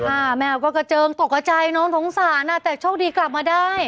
อ่าแมวก็กระเจิงตกใจเนาะโทรงสารอ่ะแต่โชคดีกลับมาได้